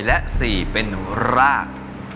และ๔เป็นราก